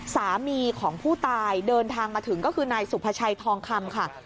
สามีของผู้ตายเดินทางมาถึงก็คือนายสุภาชัยทองคำค่ะ